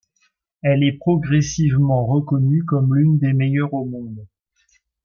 Elle est progressivement reconnue comme l'une des meilleures au monde.